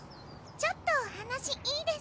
ちょっとお話いいですか？